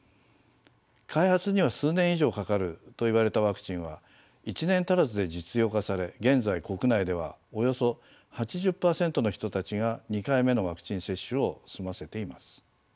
開発には数年以上かかると言われたワクチンは１年足らずで実用化され現在国内ではおよそ８０％の人たちが２回目のワクチン接種を済ませています。